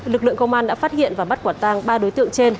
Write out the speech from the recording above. lực lượng công an đã phát hiện và bắt quả tang ba đối tượng trên